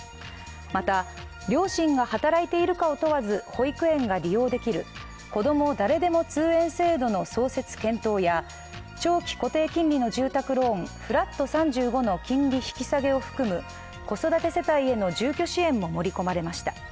また、両親が働いているかを問わず保育園が利用できるこども誰でも通園制度の創設検討や長期固定金利の住宅ローンフラット３５の金利引き下げを含む子育て世帯への住居支援も盛り込まれました。